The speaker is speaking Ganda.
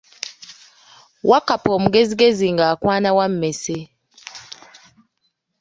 Wakkapa omugezigezi ng’akwana wammese.